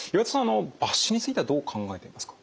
あの抜歯についてはどう考えてますか？